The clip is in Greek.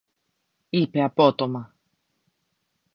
είπε απότομα.